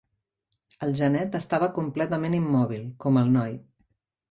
El genet estava completament immòbil, com el noi.